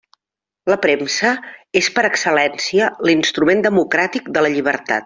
La premsa és, per excel·lència, l'instrument democràtic de la llibertat.